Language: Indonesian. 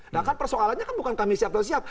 nah kan persoalannya kan bukan kami siap atau siap